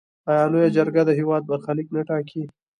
آیا لویه جرګه د هیواد برخلیک نه ټاکي؟